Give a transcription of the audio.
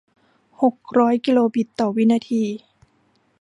หกร้อยกิโลบิตต่อวินาที